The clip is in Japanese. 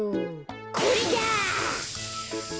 これだ！